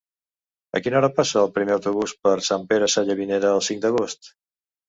A quina hora passa el primer autobús per Sant Pere Sallavinera el cinc d'agost?